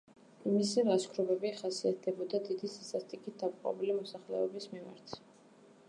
მისი ლაშქრობები ხასიათდებოდა დიდი სისასტიკით დაპყრობილი მოსახლეობის მიმართ.